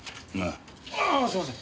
ああすいません！